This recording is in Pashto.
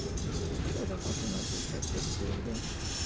ستا د خوښې مشهور شخصیت څوک دی؟